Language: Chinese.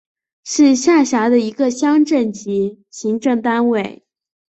是下辖的一个乡镇级行政单位。